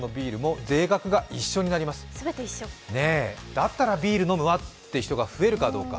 だったらビール飲むわっていう人が増えるかどうか。